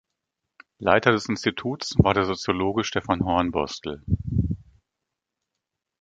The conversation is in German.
Leiter des Instituts war der Soziologe Stefan Hornbostel.